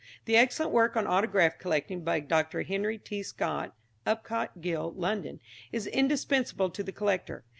The excellent work on Autograph Collecting by Dr. Henry T. Scott (Upcott Gill, London) is indispensable to the collector.